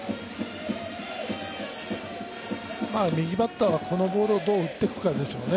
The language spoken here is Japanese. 右バッターは、このボールをどう打っていくかですよね。